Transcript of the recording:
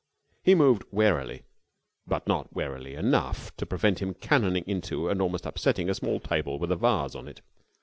He moved warily, but not warily enough to prevent him cannoning into and almost upsetting a small table with a vase on it.